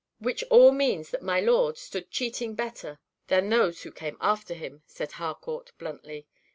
"Which all means that 'my lord' stood cheating better than those who came after him," said Harcourt, bluntly.